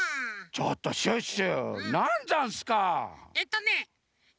ちょっとシュッシュ！